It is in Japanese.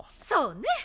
そうね。